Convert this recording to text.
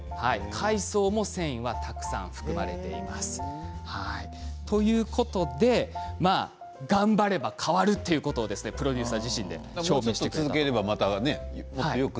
海藻も繊維がたくさん含まれています。ということで頑張れば変わるということをプロデューサー自身で証明してくれました。